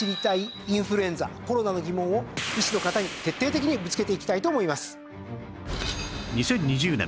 医師の方に徹底的にぶつけていきたいと思います。